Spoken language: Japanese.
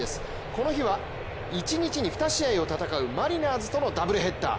この日は一日に２試合を戦うマリナーズとのダブルヘッダー。